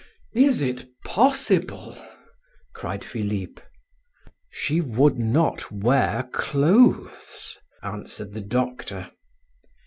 "Is it possible?" cried Philip. "She would not wear clothes," answered the doctor.